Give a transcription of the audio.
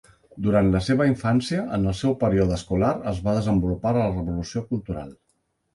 Durant la seva infància, en el seu període escolar, es va desenvolupar la Revolució Cultural.